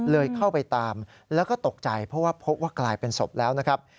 เข้าไปตามแล้วก็ตกใจเพราะว่าพบว่ากลายเป็นศพแล้วนะครับ